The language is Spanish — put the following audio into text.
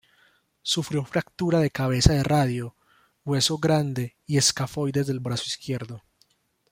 Sufrió fractura de cabeza de radio, hueso grande y escafoides del brazo izquierdo.